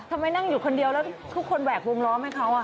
นั่งอยู่คนเดียวแล้วทุกคนแหวกวงล้อมให้เขา